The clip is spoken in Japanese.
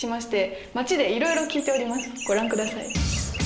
街でいろいろ聞いておりますご覧ください。